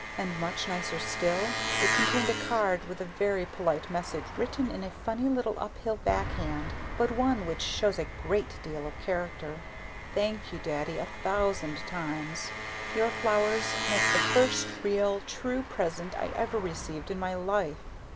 And much nicer still, it contained a card with a very polite message written in a funny little uphill back hand (but one which shows a great deal of character). Thank you, Daddy, a thousand times. Your flowers make the first real, true present I ever received in my life.